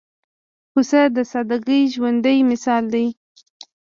پسه د سادګۍ ژوندى مثال دی.